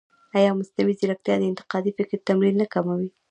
ایا مصنوعي ځیرکتیا د انتقادي فکر تمرین نه کموي؟